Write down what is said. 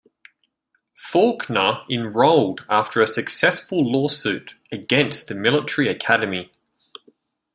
Faulkner enrolled after a successful lawsuit against the military academy.